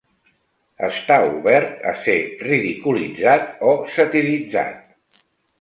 Està obert a ser ridiculitzat o satiritzat.